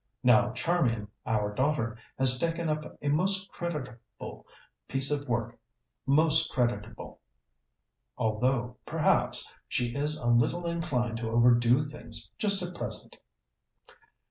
"Now, Charmian, our daughter, has taken up a most creditable piece of work most creditable although, perhaps, she is a little inclined to overdo things just at present."